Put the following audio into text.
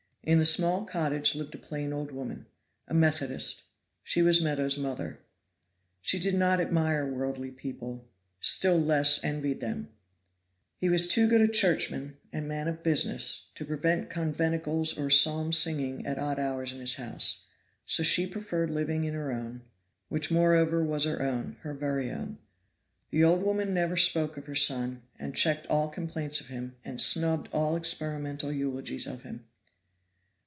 In the small cottage lived a plain old woman a Methodist. She was Meadows' mother. She did not admire worldly people, still less envied them. He was too good a churchman and man of business to permit conventicles or psalm singing at odd hours in his house. So she preferred living in her own, which moreover was her own her very own. The old woman never spoke of her son, and checked all complaints of him, and snubbed all experimental eulogies of him.